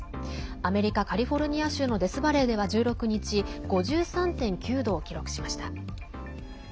アメリカ・カリフォルニア州のデスバレーでは１６日５３．９度を記録しました。